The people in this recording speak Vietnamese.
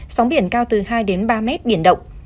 sóng biển cao từ hai ba mét biển động